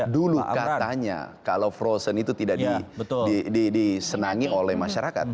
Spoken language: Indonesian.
dulu katanya kalau frozen itu tidak disenangi oleh masyarakat